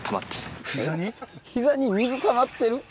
膝に水たまってる？